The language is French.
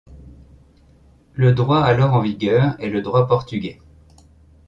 Le droit alors en vigueur est le droit portugais.